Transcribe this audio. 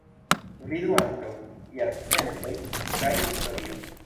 Vidu ankaŭ: Jarcentoj kaj Historio.